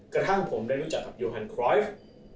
กระทั่งผมได้รู้จักกับโยฮันครอฟ